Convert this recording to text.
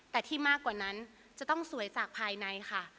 แต่ที่มากกว่านั้นจะต้องสวยจากภายในค่ะ